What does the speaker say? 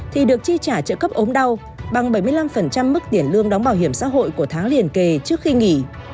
thì được chi trả trợ cấp ốm đau bằng bảy mươi năm mức tiền lương đóng bảo hiểm xã hội của tháng liền kề trước khi nghỉ